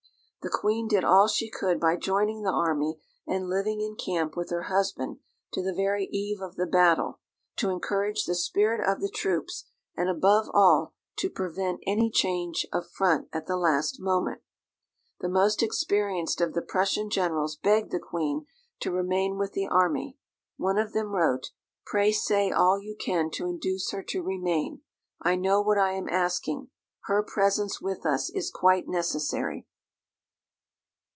The Queen did all she could by joining the army, and living in camp, with her husband, to the very eve of the battle, to encourage the spirit of the troops, and above all to prevent any change of front at the last moment. The most experienced of the Prussian generals begged the Queen to remain with the army. One of them wrote, "Pray say all you can to induce her to remain. I know what I am asking; her presence with us is quite necessary."